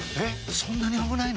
そんなに危ないの？